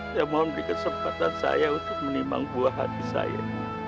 saya mohon dikesempatan saya untuk menimbang buah hati saya